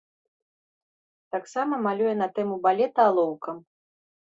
Таксама малюе на тэму балета, алоўкам.